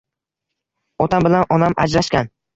Otam bilan onam ajrashgan.